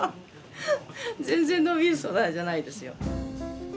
全然伸びる素材じゃないですよ。